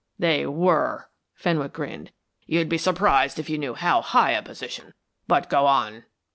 "They were," Fenwick grinned. "You'd be surprised if you knew how high a position. But go on."